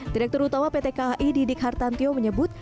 direktur utama pt kai didik hartantio menyebut